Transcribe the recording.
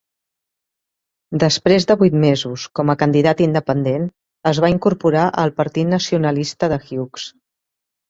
Després de vuit mesos com a candidat independent, es va incorporar al Partit Nacionalista de Hughes.